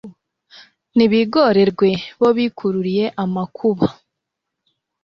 nibigorerwe! bo bikururiye amakuba